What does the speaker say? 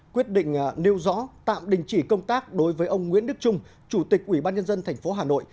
quyết định nêu rõ tạm đình chỉ công tác đối với ông nguyễn đức trung chủ tịch ủy ban nhân dân tp hà nội